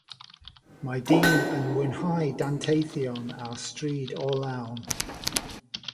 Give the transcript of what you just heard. Mae dyn yn mwynhau danteithion ar stryd orlawn